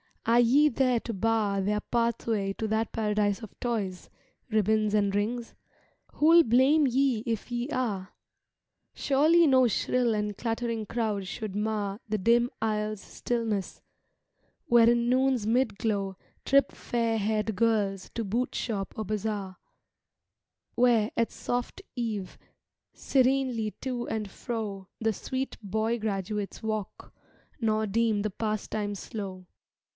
Are ye there to bar Their pathway to that paradise of toys, Ribbons and rings? Who'll blame ye if ye are? Surely no shrill and clattering crowd should mar The dim aisle's stillness, where in noon's mid glow Trip fair hair'd girls to boot shop or bazaar; Where, at soft eve, serenely to and fro The sweet boy graduates walk, nor deem the pastime slow.